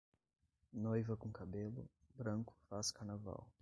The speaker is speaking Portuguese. Noiva com cabelo branco faz carnaval.